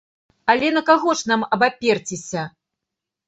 Але на каго ж нам абаперціся?